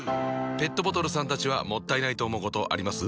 ペットボトルさんたちはもったいないと思うことあります？